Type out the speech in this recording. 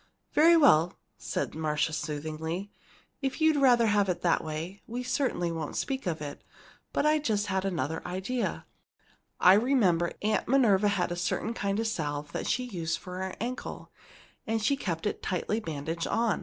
"Very well," said Marcia, soothingly. "If you'd rather have it that way, we certainly won't speak of it. But I've just had another idea. I remember Aunt Minerva had a certain kind of salve that she used for her ankle, and she kept it tightly bandaged on.